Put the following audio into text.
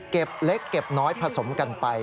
เล็กเก็บน้อยผสมกันไป